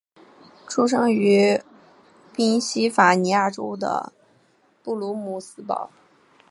出生于宾夕法尼亚州的布卢姆斯堡。